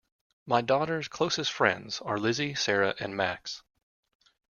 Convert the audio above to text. My daughter's closest friends are Lizzie, Sarah and Max.